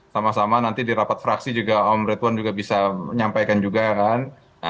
sama sama nanti di rapat fraksi juga om ridwan juga bisa menyampaikan juga kan